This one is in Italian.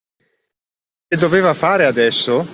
Che doveva fare, adesso?